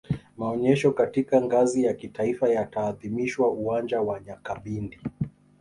maonyesho katika ngazi ya kitaifa yataadhimishwa uwanja wa nyakabindi